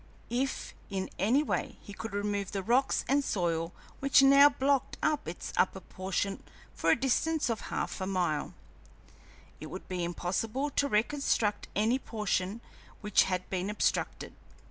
If in any way he could remove the rocks and soil which now blocked up its upper portion for a distance of half a mile, it would be impossible to reconstruct any portion which had been obstructed.